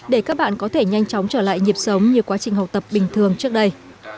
để các bạn có thể nhanh chóng trở lại nhịp sống như quá trình học tập bình thường trước đây